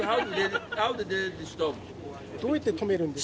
どうやって止めるんですか？